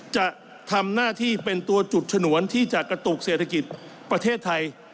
จะทำหน้าที่เป็นตัวจุดฉนวนที่จะกระตุกเศรษฐกิจประเทศไทย